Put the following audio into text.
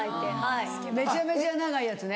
めちゃめちゃ長いやつね。